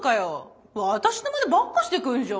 私のまねばっかしてくるじゃん！